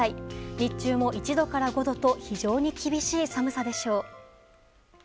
日中も１度から５度と非常に厳しい寒さでしょう。